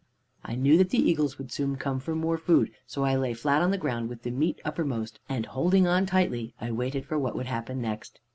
I knew that the eagles would soon come for more food, so I lay flat on the ground, with the meat uppermost, and holding on tightly, I waited for what would happen next.